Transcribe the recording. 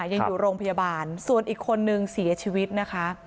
ยังอยู่โรงพยาบาลส่วนอีกคนนึงเสียชีวิตนะคะ